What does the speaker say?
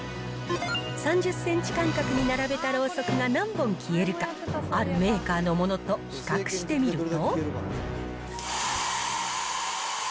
３０センチ間隔に並べたろうそくが何本消えるか、あるメーカーのものと比較してみると。